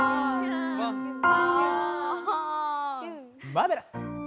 マーベラス！